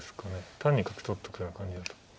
単に角取っとくような感じだと。